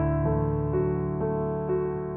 aku mau ke rumah